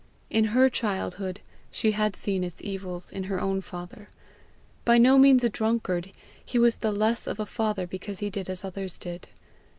In her childhood she had seen its evils in her own father: by no means a drunkard, he was the less of a father because he did as others did.